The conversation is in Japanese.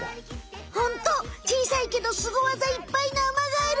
ホントちいさいけどスゴ技いっぱいのアマガエル。